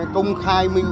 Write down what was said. công khai minh